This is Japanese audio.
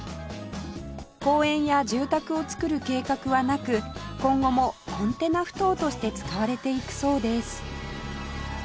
公園や住宅を造る計画はなく今後もコンテナ埠頭として使われていくそうです